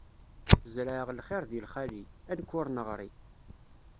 Zerɛeɣ lxiṛ di lxali, a nekk ur neɣri!